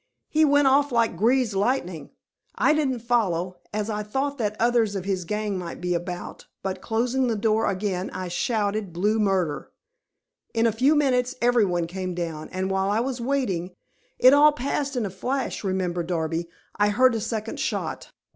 "He went off like greased lightning. I didn't follow, as I thought that others of his gang might be about, but closing the door again I shouted blue murder. In a few minutes everyone came down, and while I was waiting it all passed in a flash, remember, Darby I heard a second shot.